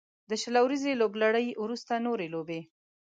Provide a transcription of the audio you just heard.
له شل اوريزې لوبلړۍ وروسته نورې لوبې